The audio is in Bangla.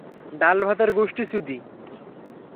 ডাল-ভাতের গুষ্টি চুদি!